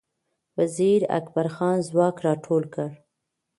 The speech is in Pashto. وزیر اکبرخان ځواک را ټول کړ